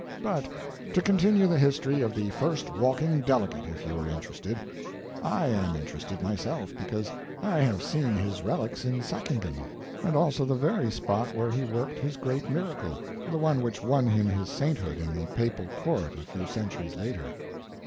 But to continue the history of the first walking delegate, if you are interested. I am interested myself because I have seen his relics in Sackingen, and also the very spot where he worked his great miracle—the one which won him his sainthood in the papal court a few centuries later.